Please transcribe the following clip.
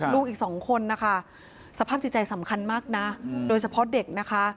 ลูกอีกสองคนนะคะสภาพจิตใจสำคัญมากนะโดยเฉพาะเด็กนะคะ